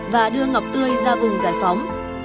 và đưa ngọc tươi ra vùng giải phóng